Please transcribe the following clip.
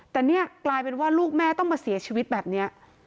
แต่นี่กลายเป็นว่าลูกแม่ต้องมาเสียชีวิตแบบนี้